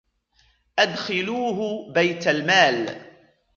أَدْخِلُوهُ بَيْتَ الْمَالِ